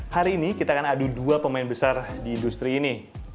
hari ini kita akan adu dua pemain besar di industri ini